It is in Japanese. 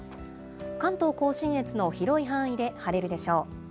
関東甲信越の広い範囲で晴れるでしょう。